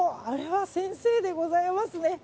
あれは先生でございますね。